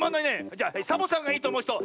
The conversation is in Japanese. じゃサボさんがいいとおもうひと！